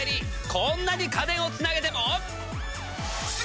こんなに家電をつなげても？